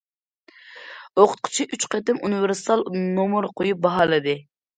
ئوقۇتقۇچى ئۈچ قېتىم ئۇنىۋېرسال نومۇر قويۇپ باھالىدى.